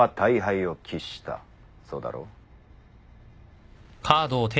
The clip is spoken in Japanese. そうだろう？